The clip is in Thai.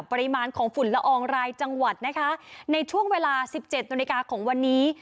ปริมาณของฝุ่นละอองรายจังหวัดนะคะในช่วงเวลา๑๗นาฬิกาของวันนี้